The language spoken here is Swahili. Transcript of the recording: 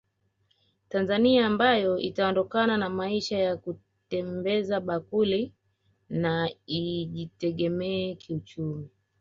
Tanzania ambayo itaondokana na maisha ya kutembeza bakuli bali ijitegemee kiuchumi